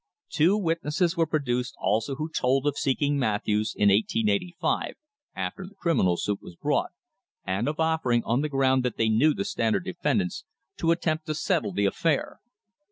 Two witnesses were pro THE BUFFALO CASE duced also who told of seeking Matthews in 1885, after the criminal suit was brought, and of offering, on the ground that they knew the Standard defendants, to attempt to settle the affair.